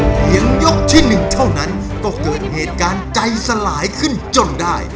ยกที่หนึ่งเท่านั้นก็เกิดเหตุการณ์ใจสลายขึ้นจนได้